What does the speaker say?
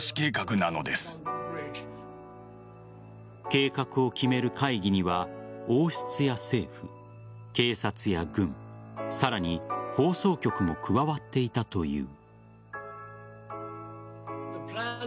計画を決める会議には王室や政府警察や軍、さらに放送局も加わっていたという。